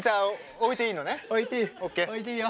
置いていいよ。